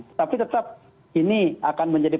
tetapi tetap ini akan menjadi